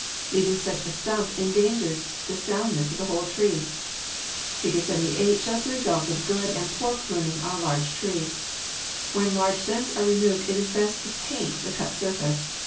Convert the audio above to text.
Leaving such a stump endangers the soundness of the whole tree. Fig. 80 shows the results of good and poor pruning on a large tree. When large limbs are removed it is best to paint the cut surface.